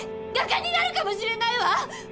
画家になるかもしれないわ！